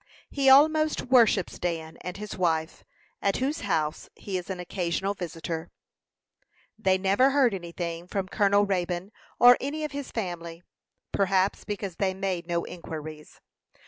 He almost worships Dan and his wife, at whose house he is an occasional visitor. They never heard anything from Colonel Raybone, or any of his family, perhaps because they made no inquiries.